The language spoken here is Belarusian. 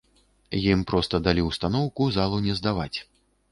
Ім проста далі ўстаноўку залу не здаваць.